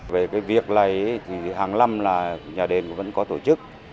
về cái việc này thì hàng năm là nhà đền vẫn có tổ chức